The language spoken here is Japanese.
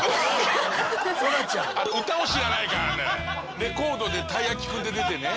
レコードで「たいやきくん」って出てね